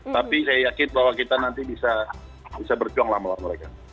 tapi saya yakin bahwa kita nanti bisa berjuanglah melawan mereka